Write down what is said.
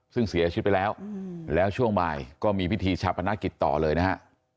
ซึ่งเสียชีวิตไปแล้วแล้วช่วงบ่ายก็มีพิธีชาปนกิจต่อเลยนะฮะ